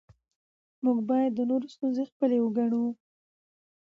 موږ باید د نورو ستونزې خپلې وګڼو